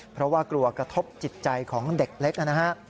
เพราะว่ากลัวกระทบจิตใจของเด็กเล็กนะฮะ